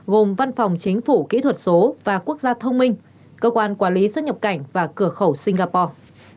gồm văn phòng chính phủ kỹ thuật số và quốc gia thông minh cơ quan quản lý xuất nhập cảnh và cửa khẩu singapore